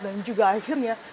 dan juga akhirnya